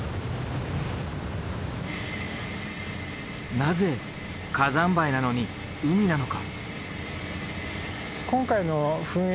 なぜ火山灰なのに海なのか？